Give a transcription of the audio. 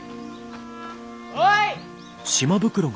おい！